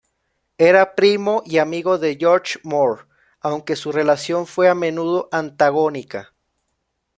Era primo y amigo de George Moore, aunque su relación fue a menudo antagónica.